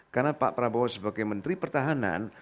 karena pak prabowo sebagai menteri pertahanan